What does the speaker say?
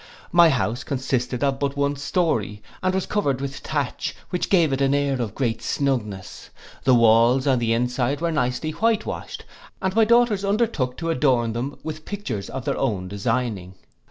My house consisted of but one story, and was covered with thatch, which gave it an air of great snugness; the walls on the inside were nicely white washed, and my daughters undertook to adorn them with pictures of their own designing.